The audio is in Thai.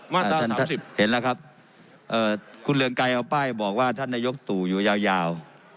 มาตรา๓๐เห็นแล้วครับคุณเรืองไกรเอาป้ายบอกว่าท่านนายกตู่อยู่ยาว